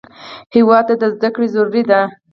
هېواد ته زده کړه ضروري ده